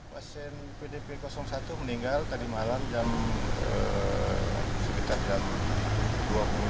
pasien pdp satu meninggal tadi malam jam sepuluh